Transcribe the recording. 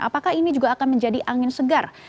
apakah ini juga akan menjadi angin segar